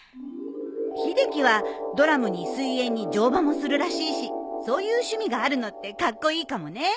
秀樹はドラムに水泳に乗馬もするらしいしそういう趣味があるのってカッコイイかもね。